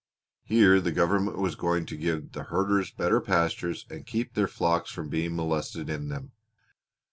Here the government was going to give the herders better pastures and keep their flocks from being molested in them.